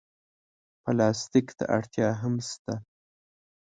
پلاستيک ته اړتیا هم شته.